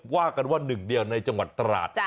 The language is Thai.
ว่ากันว่าหนึ่งเดียวในจังหวัดตราด